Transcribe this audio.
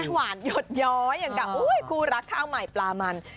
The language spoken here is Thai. หวานหยดย้อยอย่างกับคู่รักข้าวใหม่ปลามัน